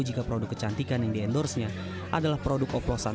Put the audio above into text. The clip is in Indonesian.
jika produk kecantikan yang diendorsnya adalah produk oplosan